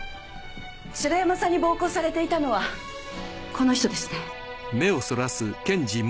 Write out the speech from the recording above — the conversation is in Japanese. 城山さんに暴行されていたのはこの人ですね。